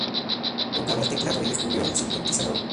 Tocaba el teclado y descubrió el sintetizador.